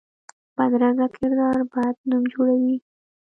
بدرنګه کردار بد نوم جوړوي